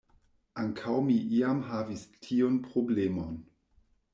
Ankaŭ mi iam havis tiun problemon.